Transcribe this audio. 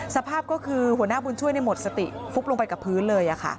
สภาพก็คือหัวหน้าบุญช่วยหมดสติฟุบลงไปกับพื้นเลย